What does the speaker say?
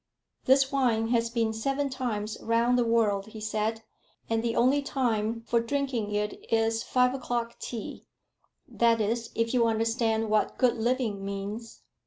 "This wine has been seven times round the world," he said, "and the only time for drinking it is five o'clock tea, that is, if you understand what good living means."